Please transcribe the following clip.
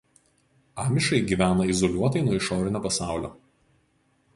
Amišai gyvena izoliuotai nuo išorinio pasaulio.